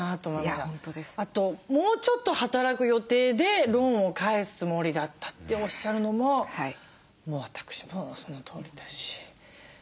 あともうちょっと働く予定でローンを返すつもりだったっておっしゃるのも私もそのとおりだし。